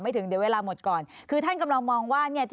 ถึงเดี๋ยวเวลาหมดก่อนคือท่านกำลังมองว่าเนี่ย